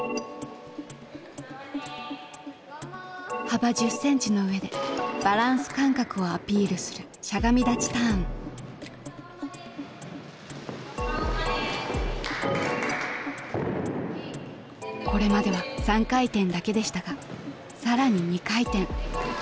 幅１０センチの上でバランス感覚をアピールするこれまでは３回転だけでしたが更に２回転。